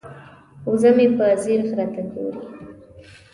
وزه مې په ځیر غره ته ګوري.